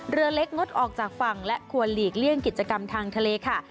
เรือเล็กงดออกจากฝั่งและควรหลีกเลี่ยงกิจกรรมทางทะเลค่ะ